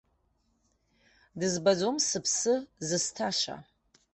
Дызбаӡом сыԥсы зысҭаша.